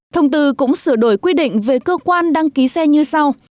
thông tư cũng sửa đổi quy định về cơ quan đăng ký xe như sau